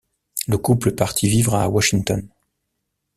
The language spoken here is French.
Le couple partit vivre à Washington.